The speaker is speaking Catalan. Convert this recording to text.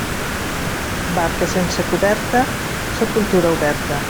Barca sense coberta, sepultura oberta.